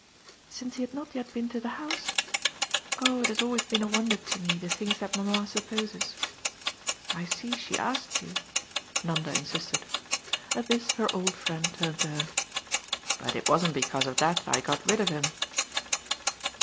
"Since he had not yet been to the house? Oh it has always been a wonder to me, the things that mamma supposes! I see she asked you," Nanda insisted. At this her old friend turned to her. "But it wasn't because of that I got rid of him."